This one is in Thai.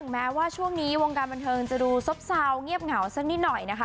แม้ว่าช่วงนี้วงการบันเทิงจะดูซบเซาเงียบเหงาสักนิดหน่อยนะคะ